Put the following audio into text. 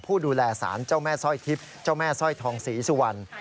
ผู้ดูแลสารเจ้าแม่สร้อยทิพย์เจ้าแม่สร้อยทองศรีสุวรรณ